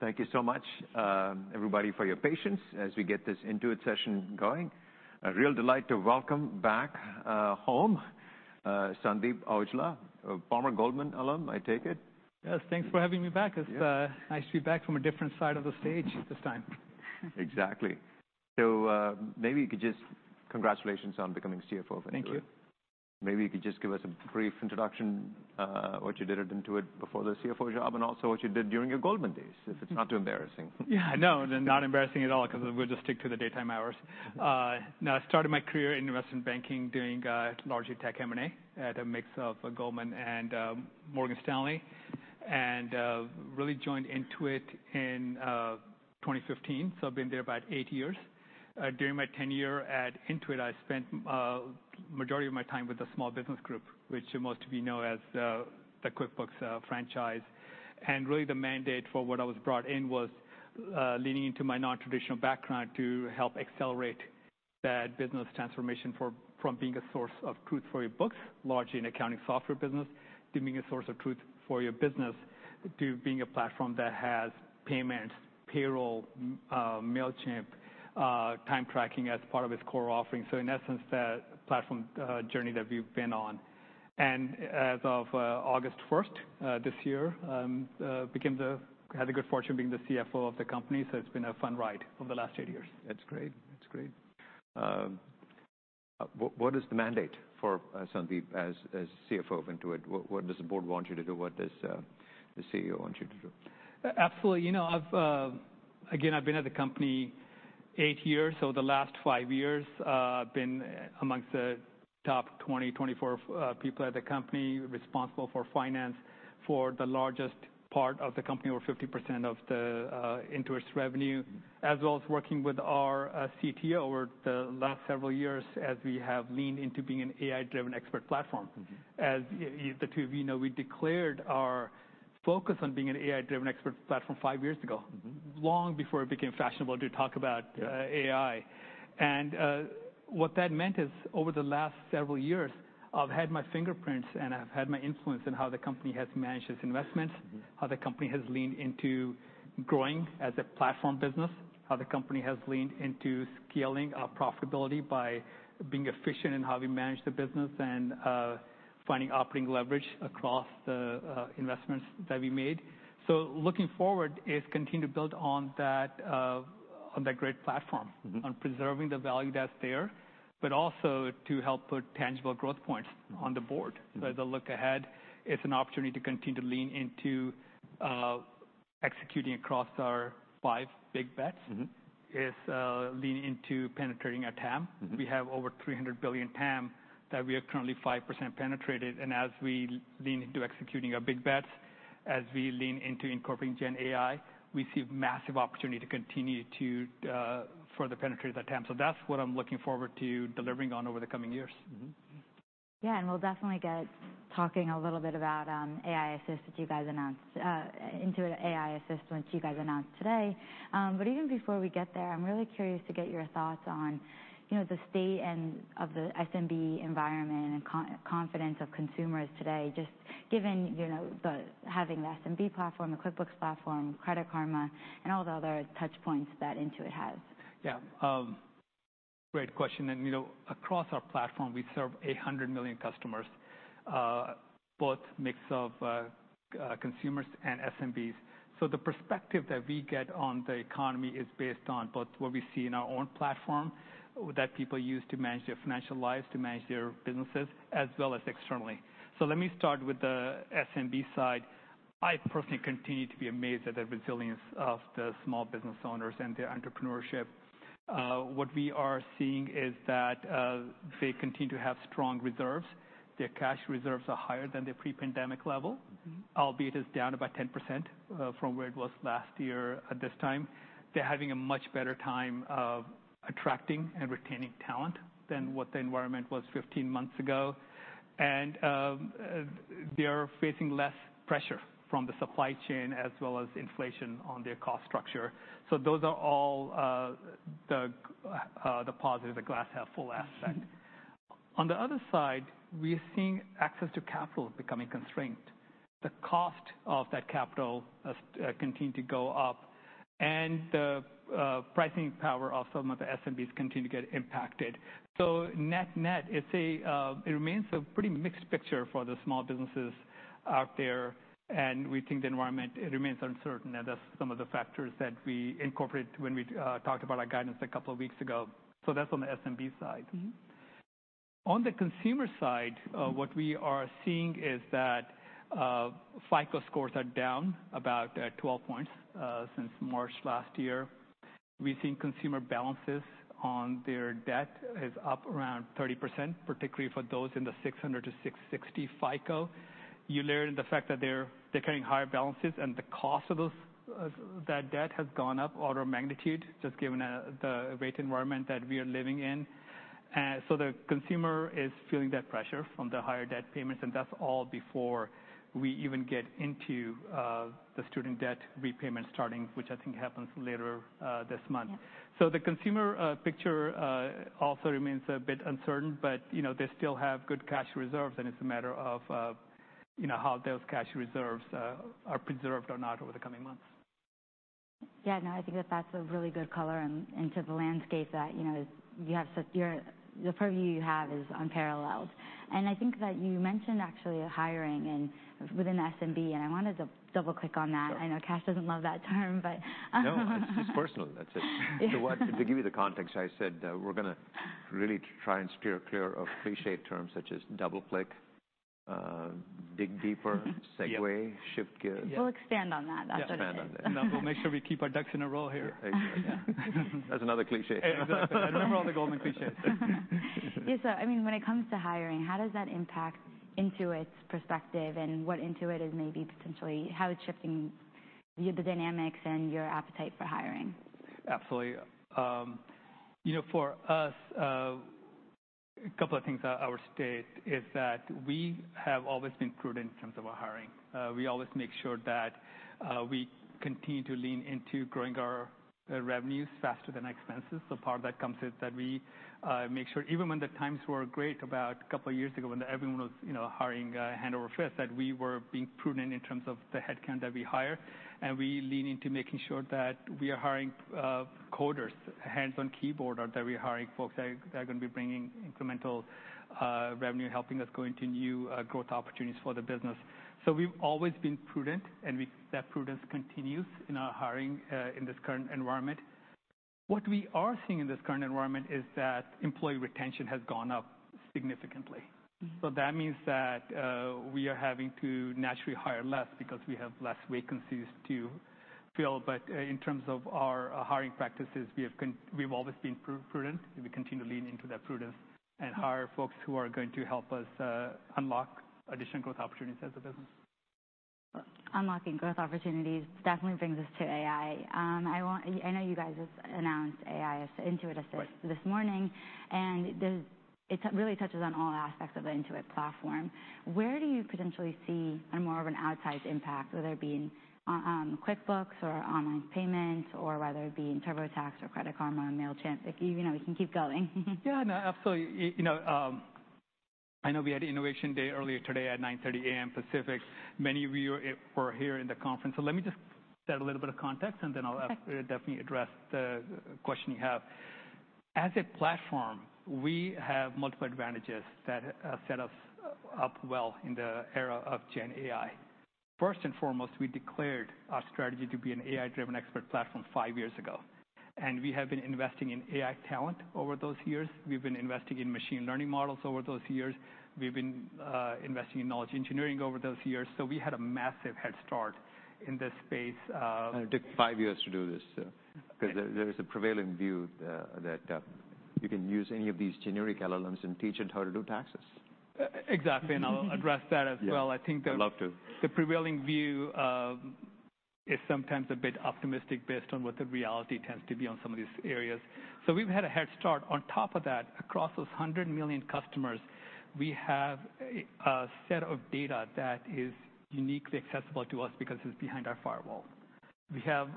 Thank you so much, everybody, for your patience as we get this Intuit session going. A real delight to welcome back, home, Sandeep Aujla, a former Goldman alum, I take it? Yes, thanks for having me back. Yeah. It's nice to be back from a different side of the stage this time. Exactly. Congratulations on becoming CFO of Intuit. Thank you. Maybe you could just give us a brief introduction, what you did at Intuit before the CFO job, and also what you did during your Goldman days, if it's not too embarrassing. Yeah, no, not embarrassing at all, 'cause we'll just stick to the daytime hours. No, I started my career in investment banking, doing largely tech M&A at a mix of Goldman and Morgan Stanley. Really joined Intuit in 2015, so I've been there about eight years. During my tenure at Intuit, I spent majority of my time with the small business group, which most of you know as the QuickBooks franchise. Really, the mandate for what I was brought in was leaning into my non-traditional background to help accelerate that business transformation for, from being a source of truth for your books, largely an accounting software business, to being a source of truth for your business, to being a platform that has payments, payroll, Mailchimp, time tracking as part of its core offering. So in essence, that platform journey that we've been on. And as of August first this year, I had the good fortune of being the CFO of the company, so it's been a fun ride over the last eight years. That's great. That's great. What, what is the mandate for, Sandeep, as, as CFO of Intuit? What, what does the board want you to do? What does the CEO want you to do? Absolutely. You know, again, I've been at the company eight years, so the last five years, I've been amongst the top 20-24 people at the company, responsible for finance for the largest part of the company, over 50% of Intuit's revenue, as well as working with our CTO over the last several years as we have leaned into being an AI-driven expert platform. Mm-hmm. As the two of you know, we declared our focus on being an AI-driven expert platform five years ago- Mm-hmm. long before it became fashionable to talk about, Yeah... AI. And, what that meant is, over the last several years, I've had my fingerprints and I've had my influence in how the company has managed its investments- Mm-hmm. how the company has leaned into growing as a platform business, how the company has leaned into scaling our profitability by being efficient in how we manage the business, and finding operating leverage across the investments that we made. So looking forward is continue to build on that, on that great platform. Mm-hmm. On preserving the value that's there, but also to help put tangible growth points. Mm-hmm. on the board. Mm-hmm. So as I look ahead, it's an opportunity to continue to lean into executing across our five big bets. Mm-hmm. Is lean into penetrating our TAM. Mm-hmm. We have over $300 billion TAM that we are currently 5% penetrated, and as we lean into executing our big bets, as we lean into incorporating Gen AI, we see massive opportunity to continue to further penetrate that TAM. So that's what I'm looking forward to delivering on over the coming years. Mm-hmm. Yeah, and we'll definitely get talking a little bit about Intuit Assist that you guys announced, Intuit Assist, which you guys announced today. But even before we get there, I'm really curious to get your thoughts on, you know, the state of the SMB environment and confidence of consumers today, just given, you know, the having the SMB platform, the QuickBooks platform, Credit Karma, and all the other touch points that Intuit has. Yeah, great question, and, you know, across our platform, we serve 800 million customers, both mix of consumers and SMBs. So the perspective that we get on the economy is based on both what we see in our own platform, that people use to manage their financial lives, to manage their businesses, as well as externally. So let me start with the SMB side. I personally continue to be amazed at the resilience of the small business owners and their entrepreneurship. What we are seeing is that they continue to have strong reserves. Their cash reserves are higher than their pre-pandemic level. Mm-hmm. Albeit it's down about 10% from where it was last year at this time. They're having a much better time of attracting and retaining talent than what the environment was 15 months ago. And they are facing less pressure from the supply chain, as well as inflation on their cost structure. So those are all the positive, the glass half full aspect. Mm-hmm. On the other side, we are seeing access to capital becoming constrained. The cost of that capital has continued to go up, and the pricing power of some of the SMBs continue to get impacted. So net-net, it remains a pretty mixed picture for the small businesses out there, and we think the environment remains uncertain, and that's some of the factors that we incorporated when we talked about our guidance a couple of weeks ago. So that's on the SMB side. Mm-hmm. On the consumer side- Mm-hmm. What we are seeing is that FICO scores are down about 12 points since March last year. We've seen consumer balances on their debt is up around 30%, particularly for those in the 600-660 FICO. You layer in the fact that they're, they're carrying higher balances, and the cost of those, that debt has gone up order of magnitude, just given the rate environment that we are living in. And so the consumer is feeling that pressure from the higher debt payments, and that's all before we even get into the student debt repayment starting, which I think happens later this month. Yeah. The consumer picture also remains a bit uncertain, but, you know, they still have good cash reserves, and it's a matter of, you know, how those cash reserves are preserved or not over the coming months.... Yeah, no, I think that that's a really good color into the landscape that, you know, you have such, your purview you have is unparalleled. And I think that you mentioned actually hiring and within SMB, and I wanted to double-click on that. Sure. I know Kash doesn't love that term, but- No, it's just personal, that's it. So what-- To give you the context, I said, we're gonna really try and steer clear of clichéd terms such as double-click, dig deeper- Segway- Yeah. Shift gears. Yeah. We'll expand on that, that's okay. Expand on that. No, we'll make sure we keep our ducks in a row here. Yeah, exactly. That's another cliché. Exactly. I remember all the Goldman clichés. Yeah, so I mean, when it comes to hiring, how does that impact Intuit's perspective and what Intuit is maybe potentially, how it's shifting the, the dynamics and your appetite for hiring? Absolutely. You know, for us, a couple of things I would state is that we have always been prudent in terms of our hiring. We always make sure that we continue to lean into growing our revenues faster than expenses. So part of that comes with that we make sure even when the times were great about a couple of years ago, when everyone was, you know, hiring hand over fist, that we were being prudent in terms of the headcount that we hire, and we lean into making sure that we are hiring coders, hands-on-keyboard, or that we are hiring folks that are gonna be bringing incremental revenue, helping us grow into new growth opportunities for the business. So we've always been prudent, and we—that prudence continues in our hiring in this current environment. What we are seeing in this current environment is that employee retention has gone up significantly. Mm-hmm. So that means that we are having to naturally hire less because we have less vacancies to fill. But, in terms of our hiring practices, we've always been prudent, and we continue to lean into that prudence and hire folks who are going to help us unlock additional growth opportunities as a business. Unlocking growth opportunities definitely brings us to AI. I know you guys just announced AI as Intuit Assist. Right. this morning, and there's, it really touches on all aspects of the Intuit platform. Where do you potentially see a more of an outsized impact, whether it be in, QuickBooks or online payments, or whether it be in TurboTax or Credit Karma or Mailchimp? Like, you know, we can keep going. Yeah, no, absolutely. You know, I know we had Innovation Day earlier today at 9:30 A.M. Pacific. Many of you are, were here in the conference. So let me just set a little bit of context, and then I'll- Sure... definitely address the question you have. As a platform, we have multiple advantages that set us up well in the era of Gen AI. First and foremost, we declared our strategy to be an AI-driven expert platform five years ago, and we have been investing in AI talent over those years. We've been investing in machine learning models over those years. We've been investing in knowledge engineering over those years. So we had a massive head start in this space. It took five years to do this. Right. Because there, there is a prevailing view that you can use any of these generic LLMs and teach it how to do taxes. Exactly. And I'll address that as well. Yeah. I think I'd love to. The prevailing view is sometimes a bit optimistic based on what the reality tends to be on some of these areas. So we've had a head start. On top of that, across those 100 million customers, we have a set of data that is uniquely accessible to us because it's behind our firewall. We have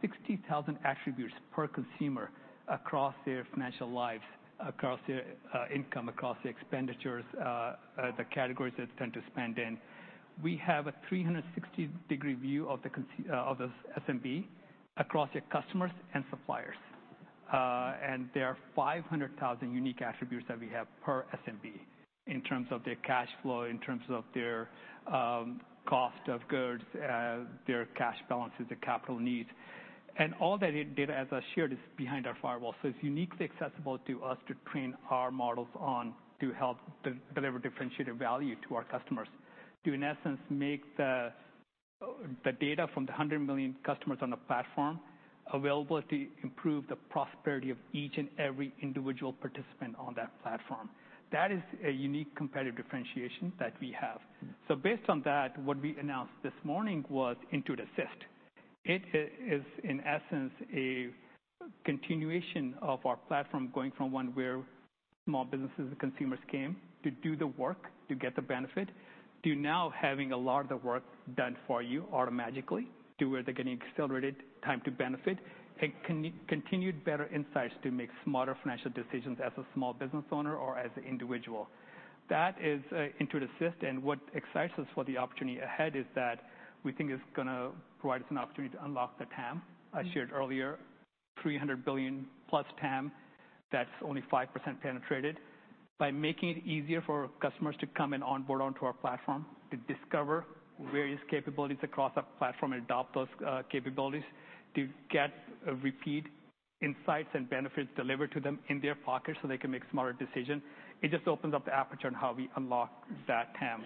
60,000 attributes per consumer across their financial lives, across their income, across their expenditures, the categories they tend to spend in. We have a 360-degree view of the SMB, across their customers and suppliers. And there are 500,000 unique attributes that we have per SMB in terms of their cash flow, in terms of their cost of goods, their cash balances, their capital needs. All that data, as I shared, is behind our firewall. So it's uniquely accessible to us to train our models on, to help deliver differentiated value to our customers, to, in essence, make the data from the 100 million customers on the platform available to improve the prosperity of each and every individual participant on that platform. That is a unique competitive differentiation that we have. So based on that, what we announced this morning was Intuit Assist. It is, in essence, a continuation of our platform, going from one where small businesses and consumers came to do the work to get the benefit, to now having a lot of the work done for you automatically, to where they're getting accelerated time to benefit, and continued better insights to make smarter financial decisions as a small business owner or as an individual. That is, Intuit Assist, and what excites us for the opportunity ahead is that we think it's gonna provide us an opportunity to unlock the TAM. Mm-hmm. I shared earlier, 300 billion-plus TAM, that's only 5% penetrated. By making it easier for customers to come and onboard onto our platform, to discover various capabilities across our platform and adopt those capabilities, to get repeat insights and benefits delivered to them in their pocket so they can make smarter decisions, it just opens up the aperture on how we unlock that TAM.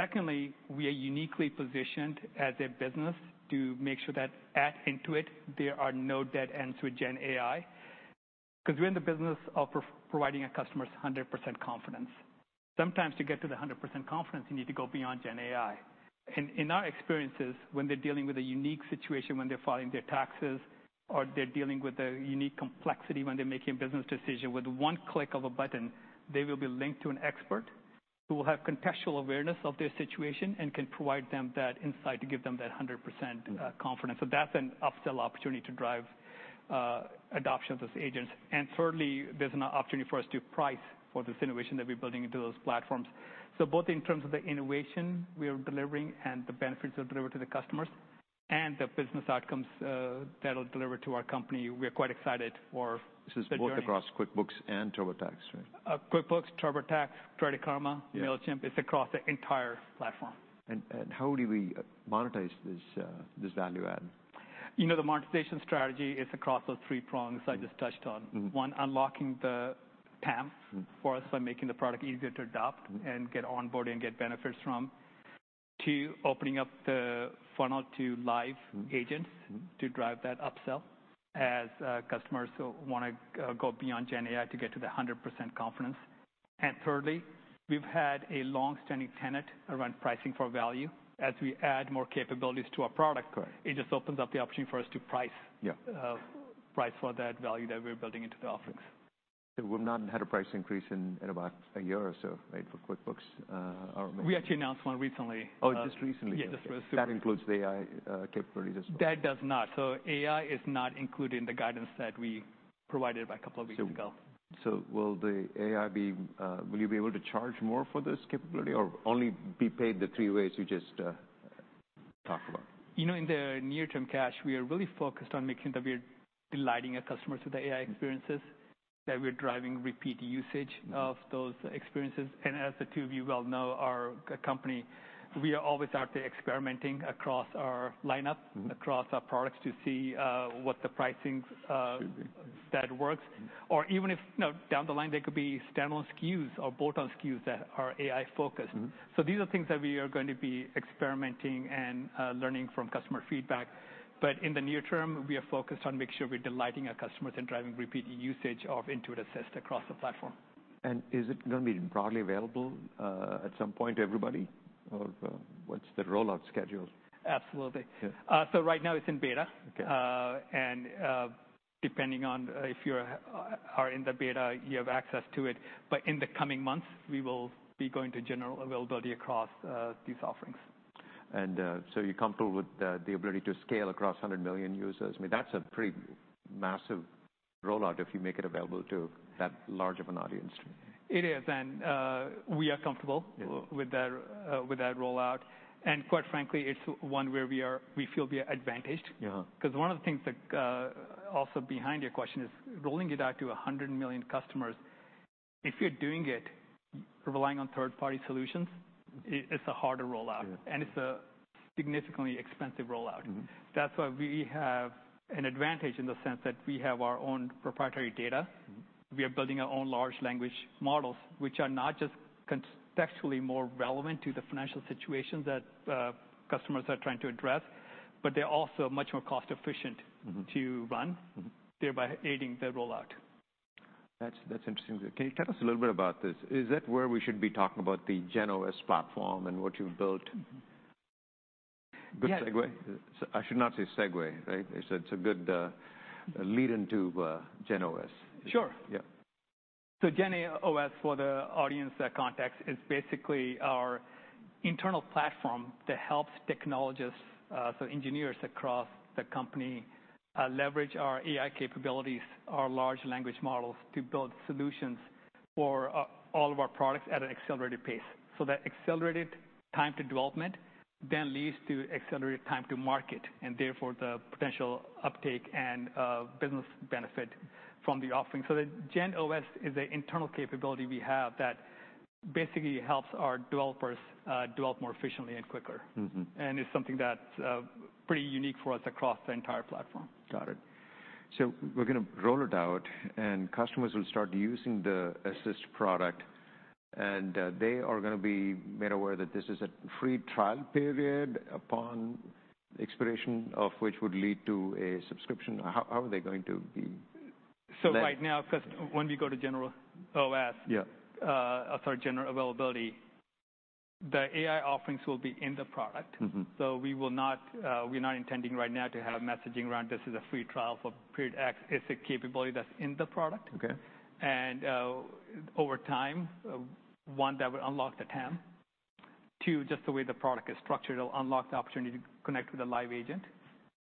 Secondly, we are uniquely positioned as a business to make sure that at Intuit, there are no dead ends with Gen AI, 'cause we're in the business of providing our customers 100% confidence. Sometimes to get to the 100% confidence, you need to go beyond Gen AI. In our experiences, when they're dealing with a unique situation, when they're filing their taxes, or they're dealing with a unique complexity, when they're making a business decision, with one click of a button, they will be linked to an expert who will have contextual awareness of their situation and can provide them that insight to give them that 100% confidence. Mm-hmm. So that's an upsell opportunity to drive adoption of those agents. And thirdly, there's an opportunity for us to price for this innovation that we're building into those platforms. So both in terms of the innovation we are delivering and the benefits we deliver to the customers, and the business outcomes that'll deliver to our company, we are quite excited for. Ths is both across QuickBooks and TurboTax, right? QuickBooks, TurboTax, Credit Karma- Yeah. Mailchimp, it's across the entire platform. How do we monetize this value add? You know, the monetization strategy is across those three prongs I just touched on. Mm-hmm. One, unlocking the TAM- Mm. For us by making the product easier to adopt Mm. And get onboarded and get benefits from. Two, opening up the funnel to live- Mm. -agents- Mm. -to drive that upsell, as customers want to go beyond GenAI to get to 100% confidence. And thirdly, we've had a long-standing tenet around pricing for value. As we add more capabilities to our product- Correct. it just opens up the opportunity for us to price Yeah. price for that value that we're building into the offerings. We've not had a price increase in about a year or so, right, for QuickBooks, or maybe- We actually announced one recently. Oh, just recently? Yeah, just recently. That includes the AI, capabilities as well? That does not. So AI is not included in the guidance that we provided a couple of weeks ago. So, will the AI be able to charge more for this capability, or only be paid the three ways you just talked about? You know, in the near-term, Kash, we are really focused on making sure that we're delighting our customers with the AI experiences, that we're driving repeat usage of those experiences. And as the two of you well know, our company, we are always out there experimenting across our lineup. Mm-hmm. -across our products, to see what the pricing Sure. -that works. Or even if, you know, down the line, there could be standalone SKUs or bolt-on SKUs that are AI-focused. Mm-hmm. So these are things that we are going to be experimenting and learning from customer feedback. But in the near term, we are focused on making sure we're delighting our customers and driving repeated usage of Intuit Assist across the platform. Is it going to be broadly available at some point to everybody? Or, what's the rollout schedule? Absolutely. Yeah. So, right now it's in beta. Okay. And, depending on if you're in the beta, you have access to it, but in the coming months, we will be going to general availability across these offerings. So you're comfortable with the ability to scale across 100 million users? I mean, that's a pretty massive rollout if you make it available to that large of an audience. It is, and, we are comfortable- Yeah. With that, with that rollout. And quite frankly, it's one where we are, we feel we are advantaged. Yeah. 'Cause one of the things that, also behind your question is, rolling it out to 100 million customers, if you're doing it relying on third-party solutions, it, it's a harder rollout. Yeah. It's a significantly expensive rollout. Mm-hmm. That's why we have an advantage in the sense that we have our own proprietary data. Mm-hmm. We are building our own large language models, which are not just contextually more relevant to the financial situations that customers are trying to address, but they're also much more cost efficient- Mm-hmm. -to run- Mm-hmm. thereby aiding the rollout. That's, that's interesting. Can you tell us a little bit about this? Is that where we should be talking about the GenOS platform and what you've built? Yeah. Good segue? I should not say segue, right? It's a, it's a good lead into GenOS. Sure. Yeah. So GenOS, for the audience, context, is basically our internal platform that helps technologists, so engineers across the company, leverage our AI capabilities, our large language models, to build solutions for, all of our products at an accelerated pace. So that accelerated time to development then leads to accelerated time to market, and therefore, the potential uptake and, business benefit from the offering. So the GenOS is an internal capability we have that basically helps our developers, develop more efficiently and quicker. Mm-hmm. And it's something that's pretty unique for us across the entire platform. Got it. So we're gonna roll it out, and customers will start using the Assist product, and they are gonna be made aware that this is a free trial period, upon expiration of which would lead to a subscription. How, how are they going to be- So right now, when we go to GenOS. Yeah. Sorry, general availability, the AI offerings will be in the product. Mm-hmm. We will not, we're not intending right now to have messaging around this is a free trial for period X. It's a capability that's in the product. Okay. Over time, one, that will unlock the TAM. Two, just the way the product is structured, it'll unlock the opportunity to connect with a live agent.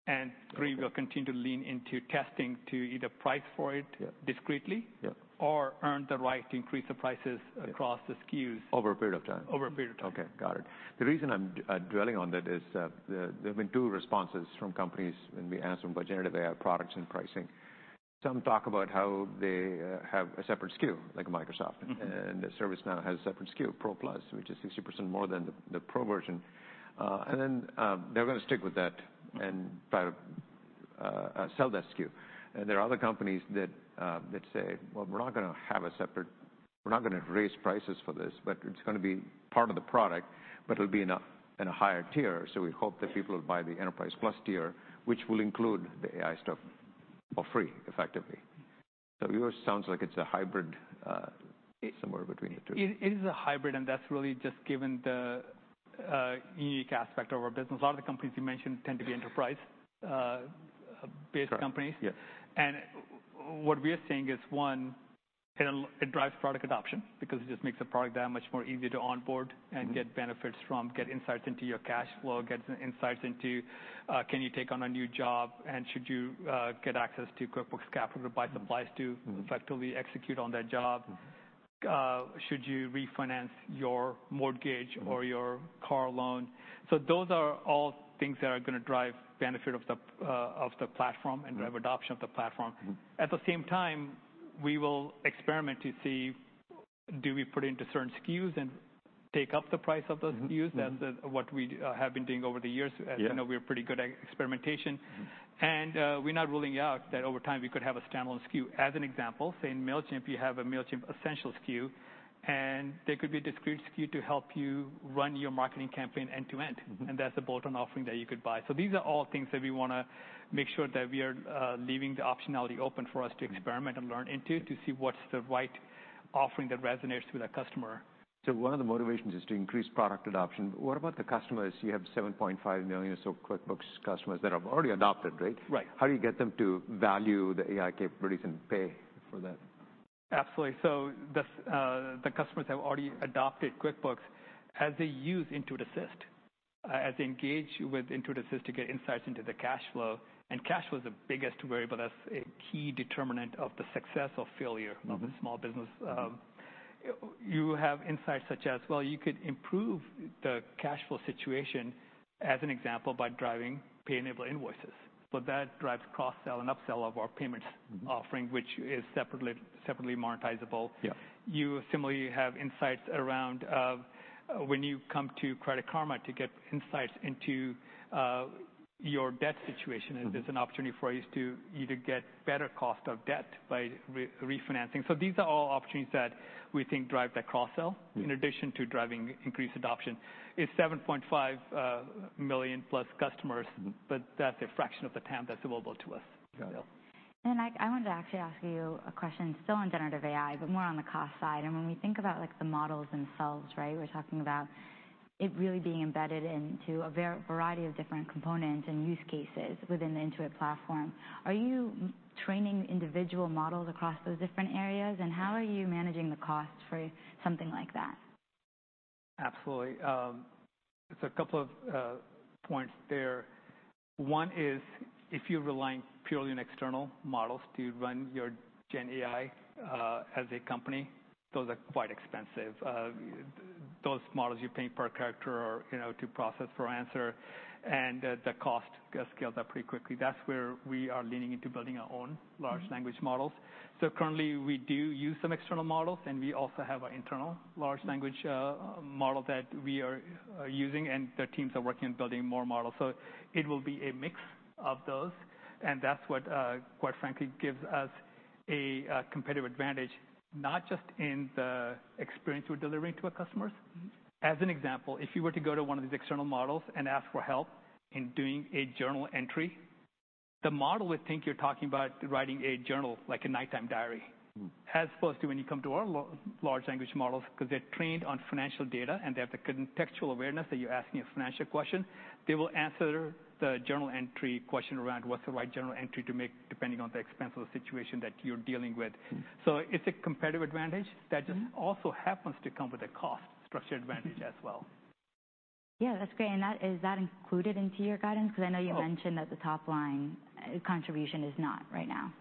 Okay. And three, we'll continue to lean into testing to either price for it- Yeah. -discretely- Yeah. or earn the right to increase the prices. Yeah across the SKUs. Over a period of time. Over a period of time. Okay, got it. The reason I'm drilling on that is that there have been two responses from companies when we ask them about generative AI products and pricing. Some talk about how they have a separate SKU, like Microsoft- Mm-hmm. And ServiceNow has a separate SKU, Pro Plus, which is 60% more than the Pro version. And then, they're gonna stick with that and try to sell that SKU. And there are other companies that say, "Well, we're not gonna have a separate... We're not gonna raise prices for this, but it's gonna be part of the product, but it'll be in a higher tier. So we hope that people will buy the Enterprise Plus tier, which will include the AI stuff for free, effectively." So yours sounds like it's a hybrid somewhere between the two. It, it is a hybrid, and that's really just given the unique aspect of our business. A lot of the companies you mentioned tend to be enterprise based companies. Correct, yeah. What we are seeing is, one, it drives product adoption, because it just makes the product that much more easier to onboard- Mm-hmm. And get benefits from, get insights into your cash flow, get insights into, can you take on a new job, and should you, get access to QuickBooks Capital to buy supplies to- Mm-hmm. Effectively execute on that job? Mm-hmm. Should you refinance your mortgage? Mm-hmm. Or your car loan? So those are all things that are gonna drive benefit of the, of the platform Mm-hmm. And drive adoption of the platform. Mm-hmm. At the same time, we will experiment to see, do we put into certain SKUs and take up the price of those SKUs? Mm-hmm. That's what we have been doing over the years. Yeah. As you know, we're pretty good at experimentation. Mm-hmm. We're not ruling out that over time we could have a standalone SKU. As an example, say, in Mailchimp, you have a Mailchimp Essential SKU, and there could be a discrete SKU to help you run your marketing campaign end to end. Mm-hmm. That's a bolt-on offering that you could buy. These are all things that we wanna make sure that we are leaving the optionality open for us to experiment- Mm-hmm. And lean into to see what's the right offering that resonates with the customer. One of the motivations is to increase product adoption. What about the customers? You have 7.5 million or so QuickBooks customers that have already adopted, right? Right. How do you get them to value the AI capabilities and pay for that? Absolutely. So the customers have already adopted QuickBooks. As they use Intuit Assist, as they engage with Intuit Assist to get insights into the cash flow, and cash flow is the biggest variable, that's a key determinant of the success or failure- Mm-hmm. Of a small business. You have insights such as, well, you could improve the cash flow situation, as an example, by driving payment-enabled invoices, so that drives cross-sell and up-sell of our payments- Mm-hmm. Offering, which is separately monetizable. Yeah. You similarly have insights around, when you come to Credit Karma to get insights into, your debt situation- Mm-hmm. There's an opportunity for you to get better cost of debt by refinancing. So these are all opportunities that we think drive that cross-sell. Mm. n addition to driving increased adoption. It's 7.5 million-plus customers Mm-hmm. But that's a fraction of the TAM that's available to us. Got it. I, I wanted to actually ask you a question, still on generative AI, but more on the cost side. When we think about, like, the models themselves, right? We're talking about it really being embedded into a variety of different components and use cases within the Intuit platform. Are you training individual models across those different areas, and how are you managing the cost for something like that? Absolutely. There's a couple of points there. One is, if you're relying purely on external models to run your Gen AI, as a company, those are quite expensive. Those models, you're paying per character or, you know, to process for answer, and the cost scales up pretty quickly. That's where we are leaning into building our own large language models. Mm-hmm. So currently, we do use some external models, and we also have our internal large language model that we are using, and the teams are working on building more models. So it will be a mix of those, and that's what quite frankly gives us a competitive advantage, not just in the experience we're delivering to our customers. Mm-hmm. As an example, if you were to go to one of these external models and ask for help in doing a journal entry, the model would think you're talking about writing a journal, like a nighttime diary. Mm. As opposed to when you come to our large language models, 'cause they're trained on financial data, and they have the contextual awareness that you're asking a financial question, they will answer the journal entry question around what's the right journal entry to make, depending on the expense or the situation that you're dealing with. Mm. So it's a competitive advantage Mm-hmm. That just also happens to come with a cost structure advantage as well. Yeah, that's great, and that, is that included into your guidance? Oh Cause I know you mentioned that the top line contribution is not right now.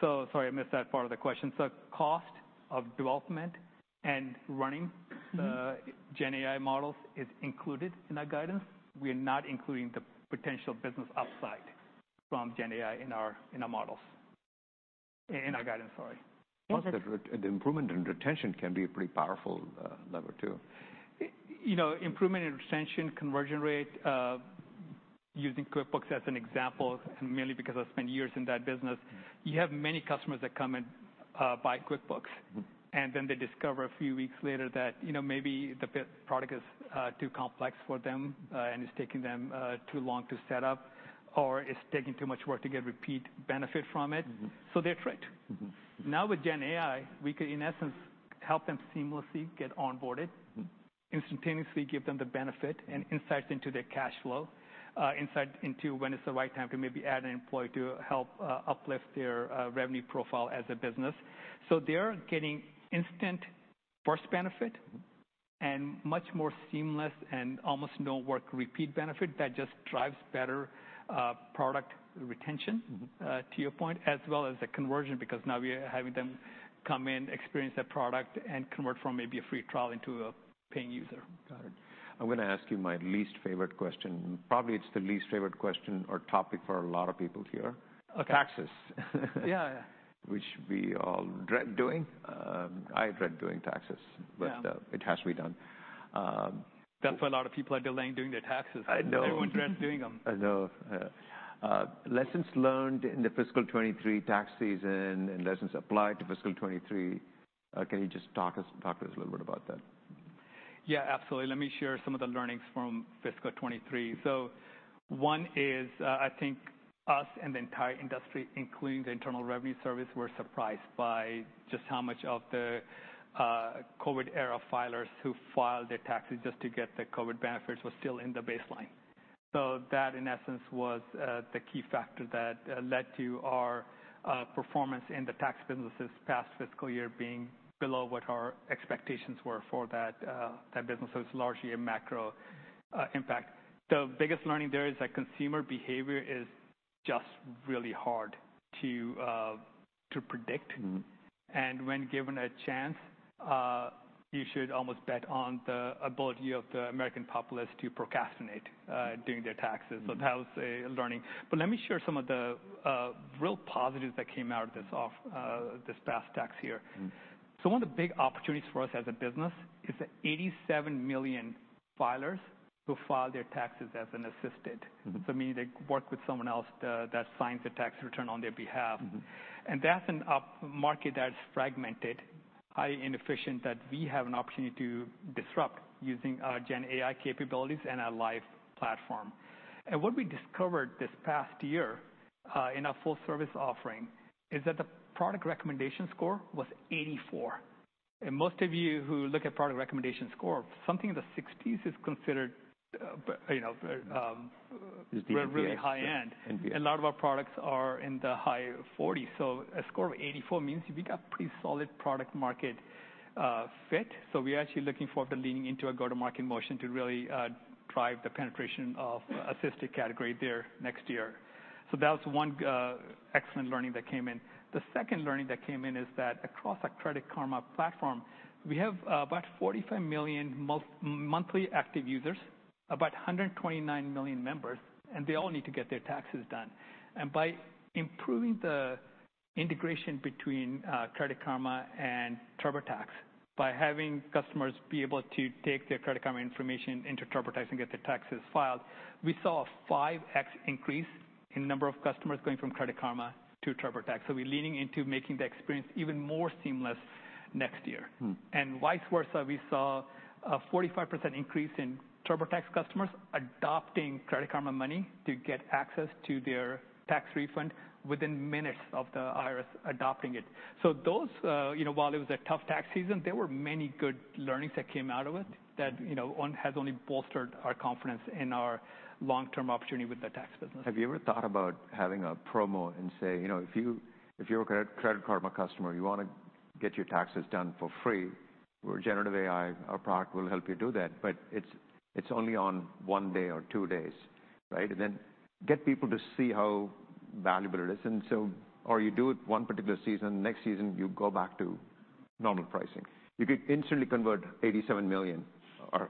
So, sorry, I missed that part of the question. So cost of development and running Mm-hmm. The Gen AI models is included in our guidance. We are not including the potential business upside from Gen AI in our models, in our guidance, sorry. Plus, the improvement in retention can be a pretty powerful lever, too. You know, improvement in retention, conversion rate, using QuickBooks as an example, and mainly because I've spent years in that business- Mm. You have many customers that come and buy QuickBooks. Mm. Then they discover a few weeks later that, you know, maybe the product is too complex for them, and it's taking them too long to set up, or it's taking too much work to get repeat benefit from it. Mm-hmm. So, they churn it. Mm-hmm. Now, with Gen AI, we could, in essence, help them seamlessly get onboarded- Mm. nstantaneously give them the benefit and insights into their cash flow, insight into when is the right time to maybe add an employee to help uplift their revenue profile as a business. So they're getting instant first benefit- Mm. And much more seamless and almost no-work repeat benefit. That just drives better, product retention Mm-hmm. To your point, as well as the conversion, because now we are having them come in, experience the product, and convert from maybe a free trial into a paying user. Got it. I'm gonna ask you my least favorite question. Probably it's the least favorite question or topic for a lot of people here. Okay. Taxes. Yeah, yeah. Which we all dread doing. I dread doing taxes- Yeah But, it has to be done. That's why a lot of people are delaying doing their taxes. I know. Everyone dreads doing them. I know. Lessons learned in the fiscal 2023 tax season and lessons applied to fiscal 2023, can you just talk us, talk to us a little bit about that? Yeah, absolutely. Let me share some of the learnings from fiscal 2023. So one is, I think us and the entire industry, including the Internal Revenue Service, were surprised by just how much of the COVID-era filers who filed their taxes just to get the COVID benefits, were still in the baseline. So that, in essence, was the key factor that led to our performance in the tax business this past fiscal year being below what our expectations were for that business. So it's largely a macro impact. The biggest learning there is that consumer behavior is just really hard to predict. Mm-hmm. When given a chance, you should almost bet on the ability of the American populace to procrastinate doing their taxes. Mm-hmm. So that was a learning. But let me share some of the real positives that came out of this past tax year. Mm-hmm. One of the big opportunities for us as a business is that 87 million filers who file their taxes as an assisted. Mm-hmm. Meaning they work with someone else that signs the tax return on their behalf. Mm-hmm. That's a market that's fragmented, highly inefficient, that we have an opportunity to disrupt using our Gen AI capabilities and our live platform. What we discovered this past year in our full service offering is that the product recommendation score was 84. Most of you who look at product recommendation score, something in the 60s is considered, you know, Is pretty good. -really high-end. Mm-hmm. A lot of our products are in the high 40s. A score of 84 means we got pretty solid product-market fit. We are actually looking forward to leaning into a go-to-market motion to really drive the penetration of assisted category there next year. That was one excellent learning that came in. The second learning that came in is that across our Credit Karma platform, we have about 45 million monthly active users, about 129 million members, and they all need to get their taxes done. By improving the integration between Credit Karma and TurboTax, by having customers be able to take their Credit Karma information into TurboTax and get their taxes filed, we saw a 5x increase in number of customers going from Credit Karma to TurboTax. So we're leaning into making the experience even more seamless next year. Mm. And vice versa, we saw a 45% increase in TurboTax customers adopting Credit Karma Money to get access to their tax refund within minutes of the IRS adopting it. So those, you know, while it was a tough tax season, there were many good learnings that came out of it that, you know, one, has only bolstered our confidence in our long-term opportunity with the tax business. Have you ever thought about having a promo and say, "You know, if you, if you're a Credit Karma customer, you want to get your taxes done for free with generative AI, our product will help you do that, but it's only on one day or two days," right? And then get people to see how valuable it is, and so... Or you do it one particular season, next season, you go back to normal pricing. You could instantly convert 87 million or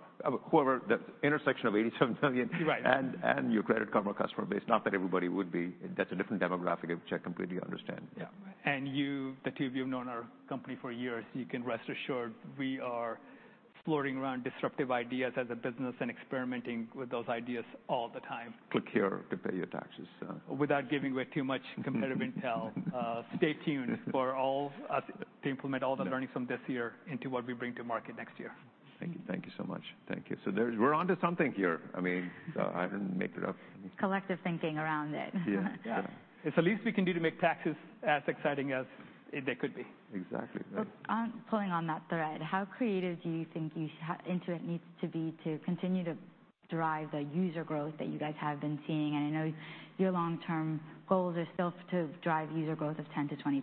whoever the intersection of 87 million- Right. and your Credit Karma customer base. Not that everybody would be, that's a different demographic, which I completely understand. Yeah. You, the two of you have known our company for years, you can rest assured we are floating around disruptive ideas as a business and experimenting with those ideas all the time. Click here to pay your taxes. Without giving away too much competitive intel, stay tuned for all of us to implement all the learnings. Yeah from this year into what we bring to market next year. Thank you. Thank you so much. Thank you. So there's, we're onto something here. I mean, I didn't make it up. Collective thinking around it. Yeah. Yeah. It's the least we can do to make taxes as exciting as they could be. Exactly, right. On pulling on that thread, how creative do you think Intuit needs to be to continue to drive the user growth that you guys have been seeing? I know your long-term goals are still to drive user growth of 10%-20%,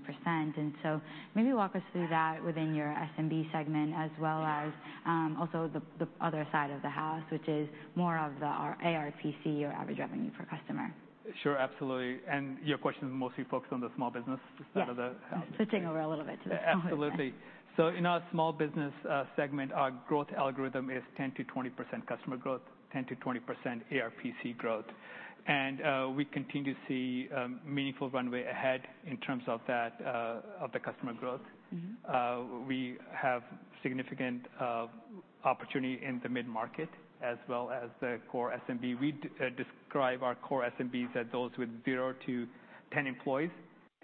and so maybe walk us through that within your SMB segment, as well as also the other side of the house, which is more of the ARPC, or Average Revenue Per Customer. Sure, absolutely. Your question is mostly focused on the small business side of the house? Yes. Switching over a little bit to the- Absolutely. Yeah. So in our small business segment, our growth algorithm is 10%-20% customer growth, 10%-20% ARPC growth. We continue to see meaningful runway ahead in terms of that of the customer growth. Mm-hmm. We have significant opportunity in the mid-market, as well as the core SMB. We describe our core SMBs as those with 0-10 employees,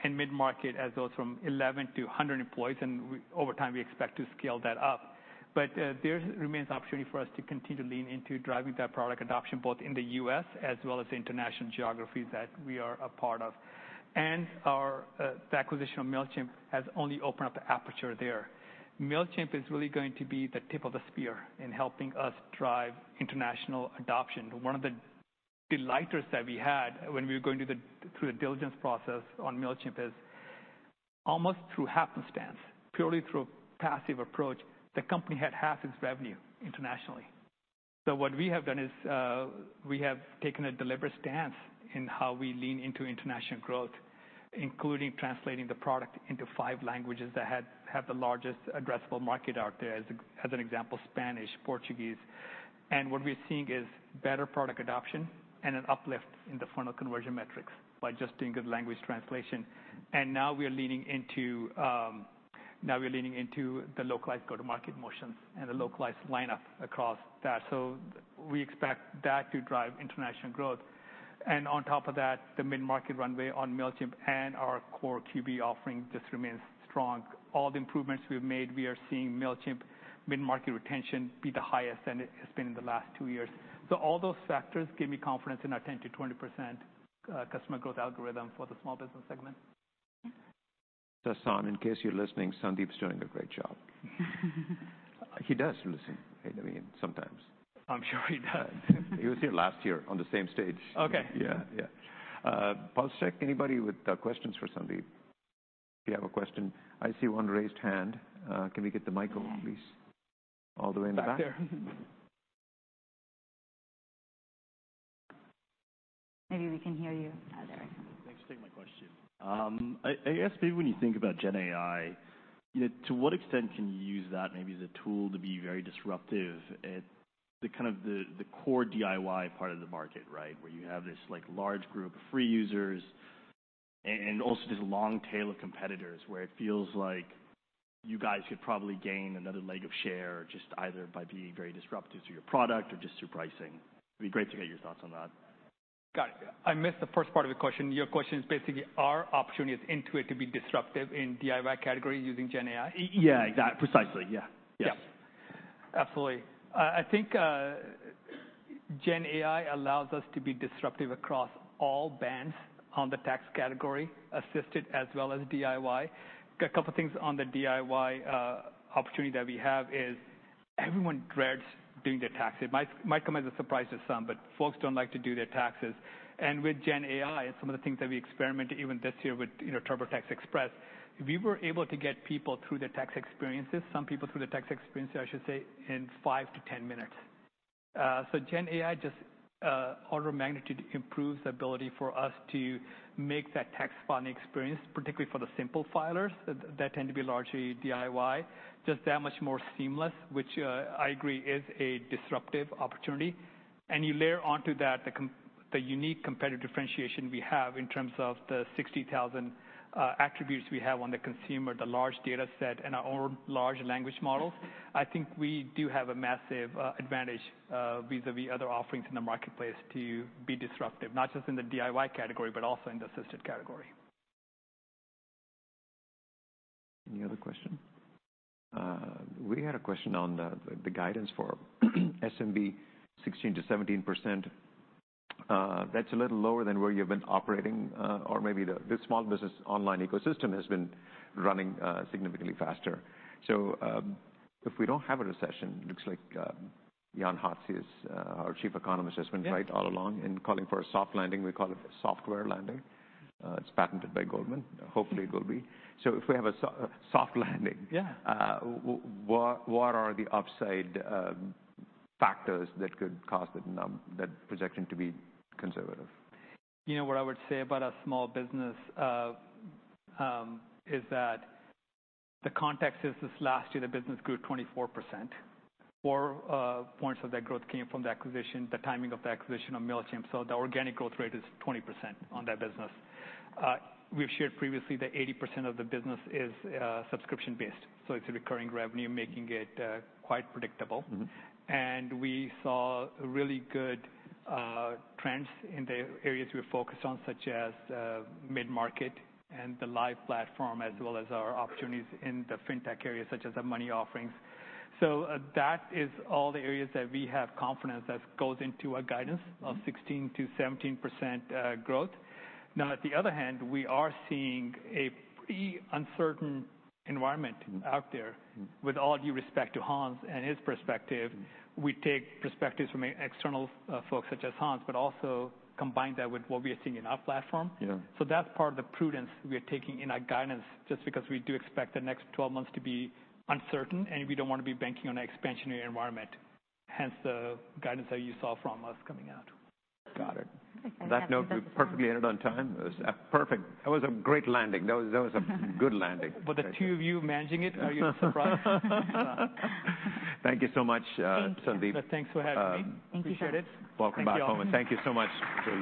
and mid-market as those from 11-100 employees, and over time, we expect to scale that up. But there remains opportunity for us to continue to lean into driving that product adoption, both in the U.S., as well as the international geographies that we are a part of. And the acquisition of Mailchimp has only opened up the aperture there. Mailchimp is really going to be the tip of the spear in helping us drive international adoption. One of the delighters that we had when we were going through the diligence process on Mailchimp is, almost through happenstance, purely through a passive approach, the company had half its revenue internationally. So what we have done is, we have taken a deliberate stance in how we lean into international growth, including translating the product into five languages that have the largest addressable market out there, as an example, Spanish, Portuguese. And what we're seeing is better product adoption and an uplift in the funnel conversion metrics by just doing good language translation. And now we're leaning into the localized go-to-market motions and the localized lineup across that. So we expect that to drive international growth. And on top of that, the mid-market runway on Mailchimp and our core QB offering just remains strong. All the improvements we've made, we are seeing Mailchimp mid-market retention be the highest than it has been in the last two years. So all those factors give me confidence in our 10%-20% customer growth algorithm for the small business segment. ... Sasan, in case you're listening, Sandeep's doing a great job. He does listen, I mean, sometimes. I'm sure he does. He was here last year on the same stage. Okay. Yeah, yeah. Pause, check anybody with questions for Sandeep, if you have a question. I see one raised hand. Can we get the mic over, please? Yeah. All the way in the back. Back there. Maybe we can hear you. There we go. Thanks for taking my question. I guess maybe when you think about GenAI, you know, to what extent can you use that maybe as a tool to be very disruptive at the kind of core DIY part of the market, right? Where you have this, like, large group of free users and also this long tail of competitors, where it feels like you guys could probably gain another leg of share, just either by being very disruptive to your product or just through pricing. It'd be great to get your thoughts on that. Got it. I missed the first part of the question. Your question is basically, are opportunities Intuit to be disruptive in DIY category using GenAI? Yeah, exactly. Precisely, yeah. Yes. Yeah. Absolutely. I think, GenAI allows us to be disruptive across all bands on the tax category, assisted as well as DIY. A couple things on the DIY opportunity that we have is, everyone dreads doing their taxes. It might come as a surprise to some, but folks don't like to do their taxes, and with GenAI, some of the things that we experimented, even this year with, you know, TurboTax Express, we were able to get people through the tax experiences, some people through the tax experience, I should say, in 5-10 minutes. So GenAI just, order of magnitude improves the ability for us to make that tax filing experience, particularly for the simple filers, that tend to be largely DIY, just that much more seamless, which, I agree is a disruptive opportunity. You layer onto that the unique competitive differentiation we have in terms of the 60,000 attributes we have on the consumer, the large data set, and our own large language models. I think we do have a massive advantage vis-a-vis other offerings in the marketplace to be disruptive, not just in the DIY category, but also in the assisted category. Any other question? We had a question on the guidance for SMB 16%-17%. That's a little lower than where you've been operating, or maybe the small business online ecosystem has been running significantly faster. So, if we don't have a recession, looks like Jan Hatzius, our Chief Economist- Yeah... has been right all along in calling for a soft landing. We call it a software landing. It's patented by Goldman. Hopefully it will be. So if we have a soft landing- Yeah... What are the upside factors that could cause that projection to be conservative? You know, what I would say about our small business is that the context is this last year, the business grew 24%. Four points of that growth came from the acquisition, the timing of the acquisition of Mailchimp. So the organic growth rate is 20% on that business. We've shared previously that 80% of the business is subscription-based, so it's a recurring revenue, making it quite predictable. Mm-hmm. We saw really good trends in the areas we focused on, such as mid-market and the live platform, as well as our opportunities in the fintech area, such as our money offerings. That is all the areas that we have confidence that goes into our guidance of 16%-17% growth. Now, on the other hand, we are seeing a pretty uncertain environment- Mm. -out there. Mm. With all due respect to Jan Hatzius and his perspective, we take perspectives from external, folks such as Jan Hatzius, but also combine that with what we are seeing in our platform. Yeah. That's part of the prudence we are taking in our guidance, just because we do expect the next 12 months to be uncertain, and we don't want to be banking on an expansionary environment, hence the guidance that you saw from us coming out. Got it. On that note, we've perfectly ended on time. It was perfect. That was a great landing. That was a good landing. With the two of you managing it, are you surprised? Thank you so much, Sandeep. Thank you. Thanks for having me. Um- Appreciate it. Welcome back home, and thank you so much.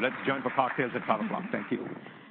Let's join for cocktails at 5:00 P.M. Thank you.